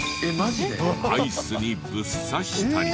アイスにぶっ刺したり。